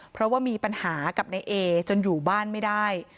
เพราะว่ามีปัญหากับนายเอจนอยู่บ้านไม่ได้